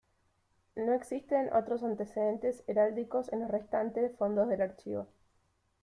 No existen otros antecedentes heráldicos en los restantes fondos del archivo.